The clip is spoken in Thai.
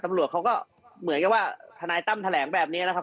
ตำรวจเขาก็เหมือนกับว่าทนายตั้มแถลงแบบนี้นะครับ